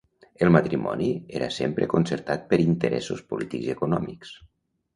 El matrimoni era sempre concertat per interessos polítics i econòmics.